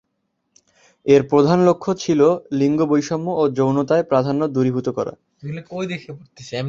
এর প্রধান লক্ষ্য ছিল লিঙ্গ বৈষম্য ও যৌনতায় প্রাধান্য দূরীভূত করা।